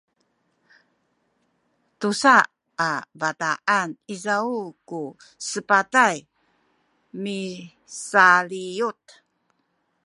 tusa a bataan izaw ku sepat misaliyut